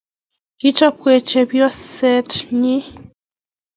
Kiichobwech chebyoset nin.